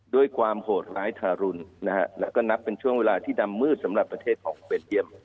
ด้วยความโหดร้ายทารุณนะฮะแล้วก็นับเป็นช่วงเวลาที่ดำมืดสำหรับประเทศของเบนเยี่ยม